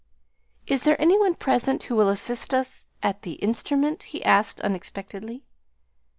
"Is there any one present who will assist us at the instrument?" he asked unexpectedly.